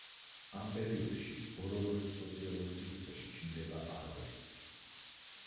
ამ პერიოდში ბოროროს სოციალურ სივრცეში ჩნდება აროე.